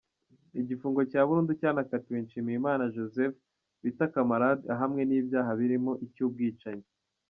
Igifungo cya Burundu cyanakatiwe Nshimiyimana Joseph bita Camarade ahamwe n’ibyaha birimo icy’ubwicanyi.